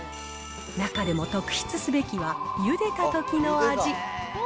中でも特筆すべきはゆでたときの味。